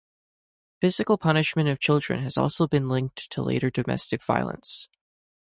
Physical punishment of children has also been linked to later domestic violence.